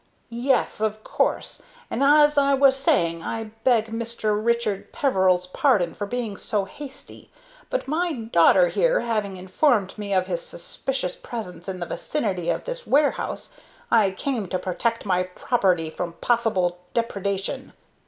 "Yes, of course; and, as I was saying, I beg Mr. Richard Peveril's pardon for being so hasty; but my daughter here, having informed me of his suspicious presence in the vicinity of this warehouse, I came to protect my property from possible depredation.